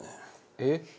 えっ？